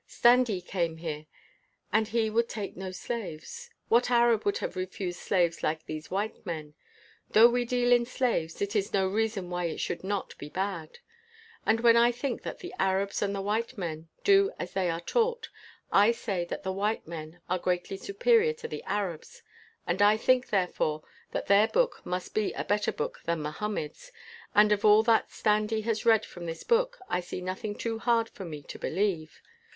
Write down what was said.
Standee came here, and he would take no slaves. What Arab would have refused slaves like these white men? Though we deal in slaves, it is no reason why it should not be bad ; and when I think that the Arabs and the white men do as they are taught, I say that the white men are greatly superior to the Arabs, and I think, therefore, that their book must be a better book than Mohammed's, and of all that Standee has read from this book I see noth ing too hard for me to believe.